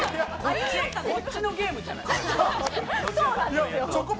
こっちのゲームじゃない。